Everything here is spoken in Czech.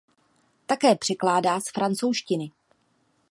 Také překládá z francouzštiny.